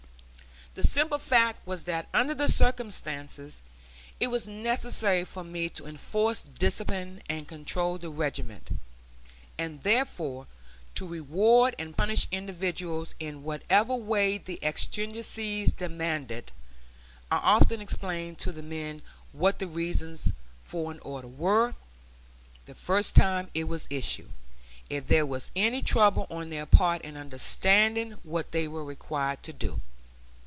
The simple fact was that under the circumstances it was necessary for me to enforce discipline and control the regiment, and therefore to reward and punish individuals in whatever way the exigencies demanded. I often explained to the men what the reasons for an order were, the first time it was issued, if there was any trouble on their part in understanding what they were required to do.